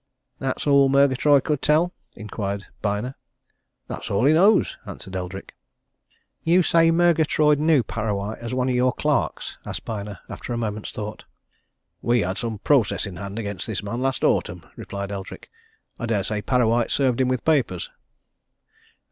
"That's all Murgatroyd could tell?" inquired Byner. "That's all he knows," answered Eldrick. "You say Murgatroyd knew Parrawhite as one of your clerks?" asked Byner after a moment's thought. "We had some process in hand against this man last autumn," replied Eldrick. "I dare say Parrawhite served him with papers."